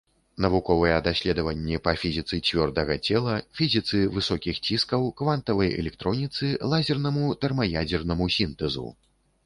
Навуковыя даследаванні па фізіцы цвёрдага цела, фізіцы высокіх ціскаў, квантавай электроніцы, лазернаму тэрмаядзернаму сінтэзу.